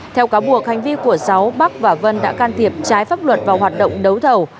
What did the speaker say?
theo cáo buộc hành vi của sáu bắc và vân đã can thiệp trái pháp luật vào hoạt động đấu thầu